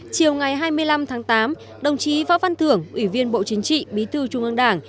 chiều ngày hai mươi năm tháng tám đồng chí võ văn thưởng ủy viên bộ chính trị bí thư trung ương đảng